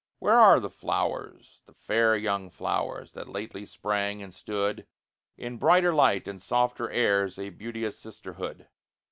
Where are the flowers, the fair young flowers, that lately sprang and stood In brighter light and softer airs, a beauteous sisterhood?